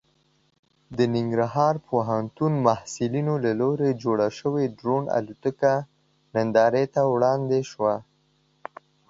د ننګرهار پوهنتون محصلینو له لوري جوړه شوې ډرون الوتکه نندارې ته وړاندې شوه.